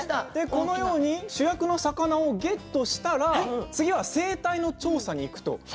このように主役の魚をゲットしたら次は生態の調査にいくと。